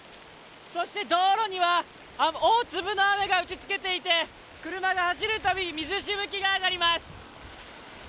そして、道路には大粒の雨が打ち付けていて車が走るたびに水しぶきが上がります。